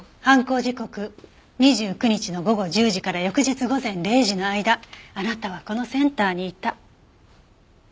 犯行時刻２９日の午後１０時から翌日午前０時の間あなたはこのセンターにいた。